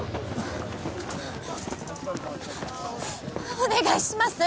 お願いします